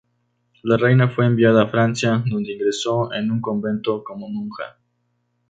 La reina fue enviada a Francia, donde ingresó en un convento como monja.